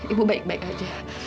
ibu baik baik aja